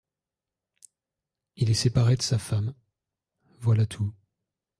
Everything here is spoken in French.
Il est séparé de sa femme, voilà tout.